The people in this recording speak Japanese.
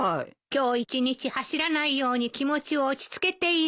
今日一日走らないように気持ちを落ち着けているの。